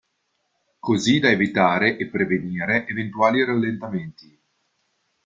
Così da evitare e prevenire eventuali rallentamenti.